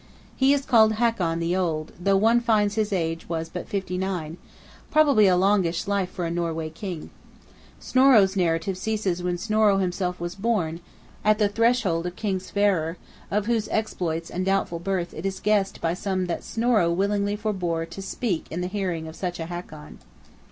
He is called Hakon the Old, though one finds his age was but fifty nine, probably a longish life for a Norway King. Snorro's narrative ceases when Snorro himself was born; that is to say, at the threshold of King Sverrir; of whose exploits and doubtful birth it is guessed by some that Snorro willingly forbore to speak in the hearing of such a Hakon.